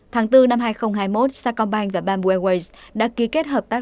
tháng bốn năm hai nghìn hai mươi một sacombank và bamboo airways đã ký kết hợp tác